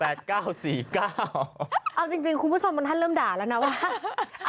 เอาจริงคุณผู้ชมบางท่านเริ่มด่าแล้วนะว่า